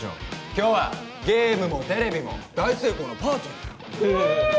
今日はゲームもテレビも大成功のパーティーだよフゥ！